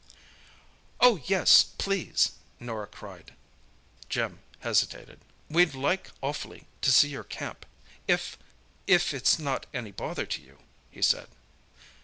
"Oh, yes, please!" Norah cried. Jim hesitated. "We'd like awfully to see your camp, if—if it's not any bother to you," he said.